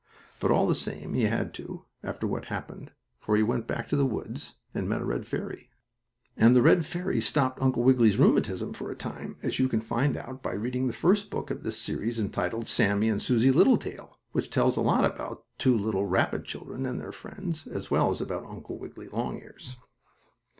But, all the same, he had to, after what happened, for he went back to the woods, and met a red fairy, and the red fairy stopped Uncle Wiggily's rheumatism for a time, as you can find out by reading the first book of this series, entitled "Sammie and Susie Littletail," which tells a lot about two little rabbit children and their friends, as well as about Uncle Wiggily Longears.